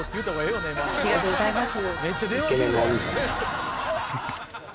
ありがとうございます。